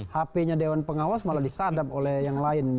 hp nya dewan pengawas malah disadap oleh yang lain